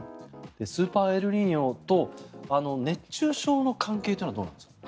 スーパーエルニーニョと熱中症の関係というのはどうなんですか？